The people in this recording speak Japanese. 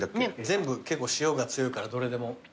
全部結構塩が強いからどれでも。